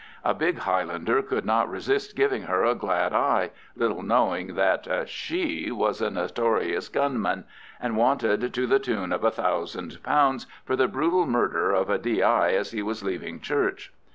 A big Highlander could not resist giving her a glad eye, little knowing that "she" was a notorious gunman, and wanted to the tune of a thousand pounds for the brutal murder of a D.I. as he was leaving church.